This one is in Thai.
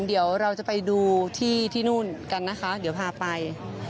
เดี๋ยวเราจะไปดูที่นู่นกันนะคะเดี๋ยวพาไป